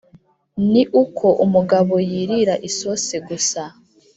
ni uko umugabo yirira isosi gusa !